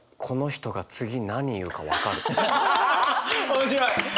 面白い！